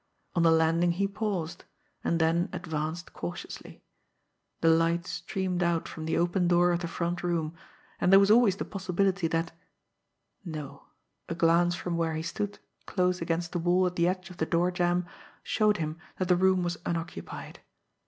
On the landing he paused; and then advanced cautiously. The light streamed out from the open door of the front room, and there was always the possibility that no, a glance from where he stood close against the wall at the edge of the door jamb, showed him that the room was unoccupied.